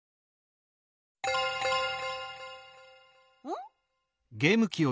ん？